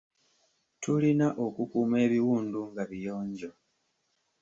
Tulina okukuuma ebiwundu nga biyonjo.